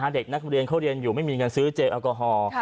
เด็กนักเรียนเขาเรียนอยู่ไม่มีเงินซื้อเจลแอลกอฮอล์